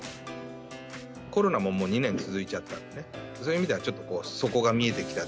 コロナも２年続いちゃったんで、そういう意味ではちょっと底が見えてきた。